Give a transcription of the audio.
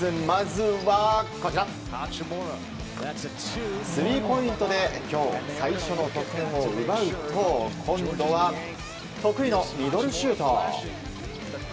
まずはスリーポイントで今日最初の得点を奪うと今度は得意のミドルシュート。